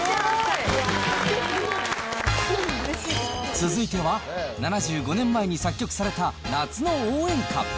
続いては、７５年前に作曲された夏の応援歌。